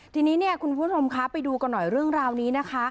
ทีนี้เนี่ยคุณผู้ชมคะไปดูกันหน่อยเรื่องราวนี้นะคะ